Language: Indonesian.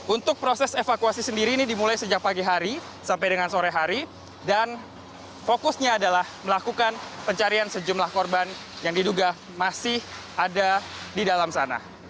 untuk proses evakuasi sendiri ini dimulai sejak pagi hari sampai dengan sore hari dan fokusnya adalah melakukan pencarian sejumlah korban yang diduga masih ada di dalam sana